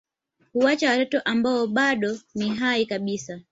Huacha watoto ambao bado ni hai kabisa